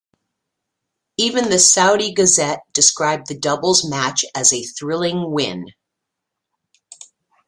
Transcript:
Even the "Saudi Gazette" described the doubles match as a "thrilling" win.